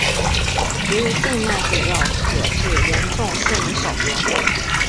由于静脉给药可致严重现已少用。